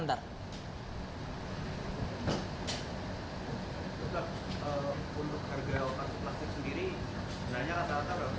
untuk rgo kan sudah selesai